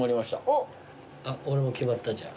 あっ俺も決まったじゃあ。